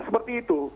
ya seperti itu